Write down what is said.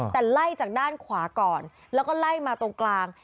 แต่ไล่จากด้านขวาก่อนแล้วก็ไล่มาตรงกลาง